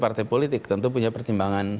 partai politik tentu punya pertimbangan